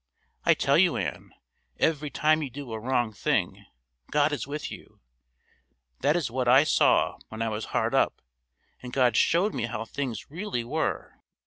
I tell you, Ann, every time you do a wrong thing God is with you; that is what I saw when I was hard up and God showed me how things really were.